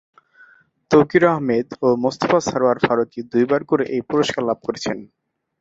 তৌকির আহমেদ ও মোস্তফা সরয়ার ফারুকী দুইবার করে এই পুরস্কার লাভ করেছেন।